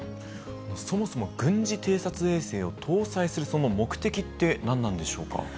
そもそも軍事偵察衛星を搭載するその目的って、何なんでしょうか。